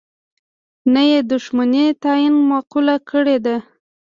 نه یې د دوښمنی تعین معقوله کړې ده.